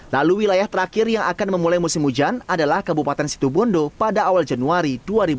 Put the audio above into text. lalu wilayah terakhir yang akan memulai musim hujan adalah kabupaten situbondo pada awal januari dua ribu dua puluh